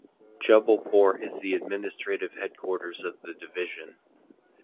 Jabalpur is the administrative headquarters of the division.